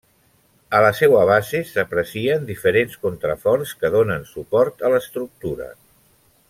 A la seua base s'aprecien diferents contraforts que donen suport a l'estructura.